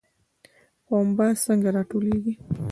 پنبه څنګه راټولیږي؟